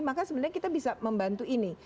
maka sebenarnya kita bisa membantu ini